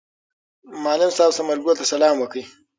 معلم صاحب ثمر ګل ته سلام وکړ.